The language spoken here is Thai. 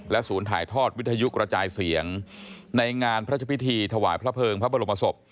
ศูนย์ถ่ายทอดวิทยุกระจายเสียงในงานพระพิธีถวายพระเภิงพระบรมศพ